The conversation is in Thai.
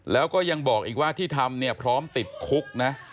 แล้วก็ยังบอกอีกว่าที่ทำเนี่ยพร้อมติดคุกนะ